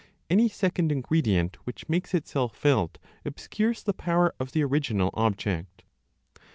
Any second ingredient which makes itself felt obscures the power of the original object.